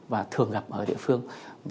và thường gặp ở địa phương